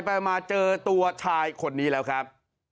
มาเจอตัวชายคนนี้แล้วครับ